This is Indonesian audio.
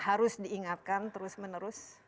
harus diingatkan terus menerus